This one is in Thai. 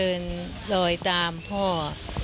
เรื่องเกษตรทฤษฎีใหม่และความพอเพียงของในหลวงรัชกาลที่๙